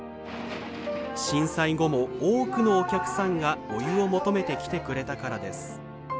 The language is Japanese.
震災後も多くのお客さんがお湯を求めて来てくれたからです。